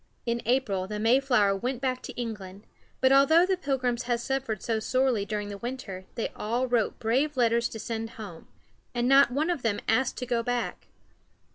In April the Mayflower went back to England; but although the Pilgrims had suffered so sorely during the winter, they all wrote brave letters to send home, and not one of them asked to go back.